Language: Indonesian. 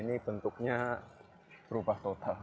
ini bentuknya berubah total